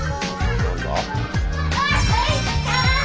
何だ？